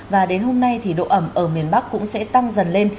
và đến hôm nay thì độ ẩm ở miền bắc cũng sẽ tăng dần lên